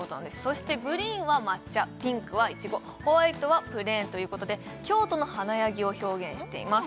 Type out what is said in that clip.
そしてグリーンは抹茶ピンクはいちごホワイトはプレーンということで京都の華やぎを表現しています